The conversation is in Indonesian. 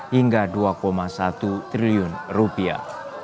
hingga dua satu triliun rupiah